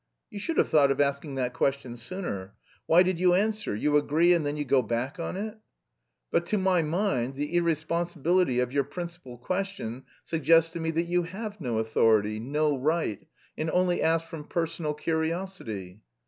"You should have thought of asking that question sooner! Why did you answer? You agree and then you go back on it!" "But to my mind the irresponsibility of your principal question suggests to me that you have no authority, no right, and only asked from personal curiosity."